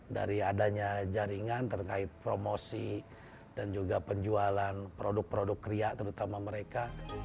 dari adanya jaringan terkait promosi dan juga penjualan produk produk kriak terutama mereka